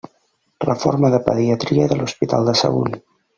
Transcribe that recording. Reforma de pediatria de l'Hospital de Sagunt.